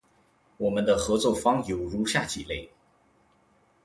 我们的合作方有如下几类：